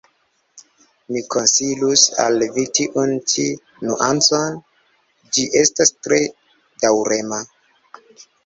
Mi konsilus al vi tiun ĉi nuancon; ĝi estas tre daŭrema.